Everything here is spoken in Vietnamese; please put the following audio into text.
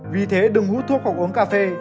vì thế đừng hút thuốc hoặc uống cà phê